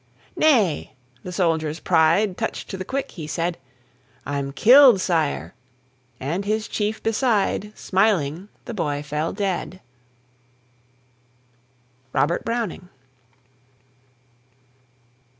"Nay," the soldier's pride Touched to the quick, he said: "I'm killed, Sire!" And his chief beside, Smiling the boy fell dead. ROBERT BROWNING.